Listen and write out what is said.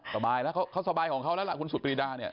สบายแล้วเขาสบายของเขาแล้วคุณสุตรีด้า